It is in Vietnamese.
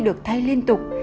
được thay liên tục